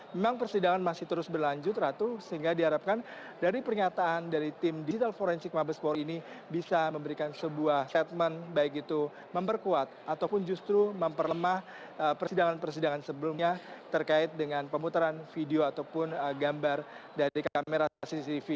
memang persidangan masih terus berlanjut ratu sehingga diharapkan dari pernyataan dari tim digital forensik mabes polri ini bisa memberikan sebuah statement baik itu memperkuat ataupun justru memperlemah persidangan persidangan sebelumnya terkait dengan pemutaran video ataupun gambar dari kamera cctv